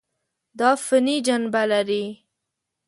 دا فني جنبه لري.